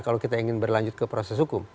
kalau kita ingin berlanjut ke proses hukum